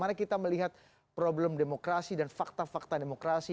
bagaimana kita melihat problem demokrasi dan fakta fakta demokrasi